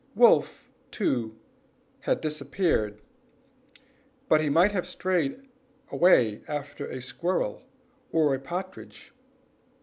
Wolf, too, had disappeared, but he might have strayed away after a squirrel or partridge.